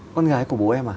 con gà ấy của bố em à